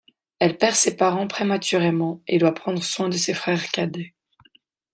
Elle perd ses parents prématurément, et doit prendre soin de ses frères cadets.